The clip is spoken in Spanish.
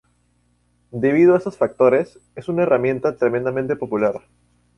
Debido a estos factores, es una herramienta tremendamente popular.